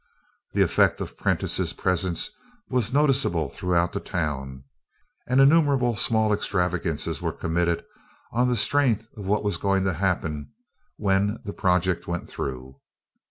The effect of Prentiss's presence was noticeable throughout the town, and innumerable small extravagances were committed on the strength of what was going to happen "when the project went through."